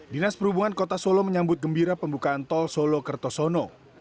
dinas perhubungan kota solo menyambut gembira pembukaan tol solo kertosono